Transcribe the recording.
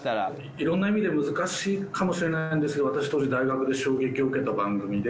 いろんな意味で難しいかもしれないんですが私当時大学で衝撃を受けた番組で。